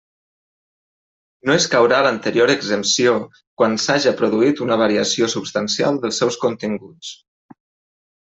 No escaurà l'anterior exempció quan s'haja produït una variació substancial dels seus continguts.